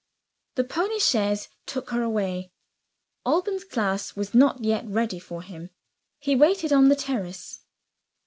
The pony chaise took her away. Alban's class was not yet ready for him. He waited on the terrace.